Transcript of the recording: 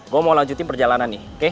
gue mau lanjutin perjalanan nih